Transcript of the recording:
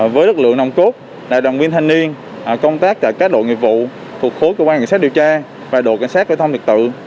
với đất lượng nông cốt đại đoàn viên thanh niên công tác và các đội nhiệm vụ thuộc khối cơ quan kiểm soát điều tra và đội kiểm soát cơ thông liệt tự